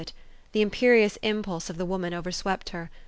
355 it : the imperious impulse of the woman overswept her.